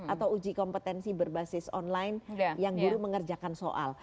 atau uji kompetensi berbasis online yang guru mengerjakan soal